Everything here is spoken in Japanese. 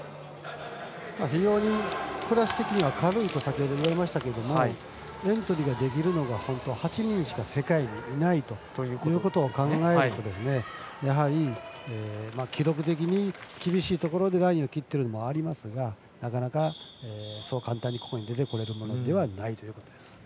非常にクラス的には軽いとありましたけどエントリーできるのが８人しか世界にいないと考えるとやはり記録的に厳しいところでラインを切ってることはありますがなかなかそう簡単にここに出てこれるものではないということです。